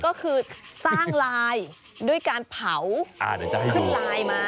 ก็คือสร้างลายด้วยการเผาเลยทำลายมา